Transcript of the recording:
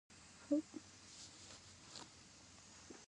د میوو ورستیدل ملي زیان دی.